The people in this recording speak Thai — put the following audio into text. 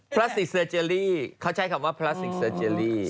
พลาสติกเซอร์เจรี่เขาใช้คำว่าพลาสติกเซอร์เจรี่